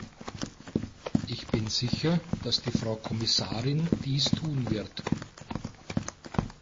Ich bin sicher, dass die Frau Kommissarin dies tun wird.